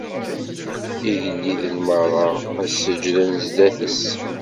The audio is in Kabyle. Igelliden merra ad seǧǧden sdat-s.